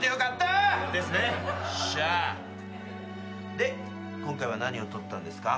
で今回は何を取ったんですか？